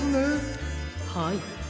はい。